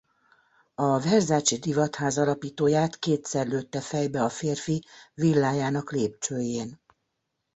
A Versace divatház alapítóját kétszer lőtte fejbe a férfi villájának lépcsőjén.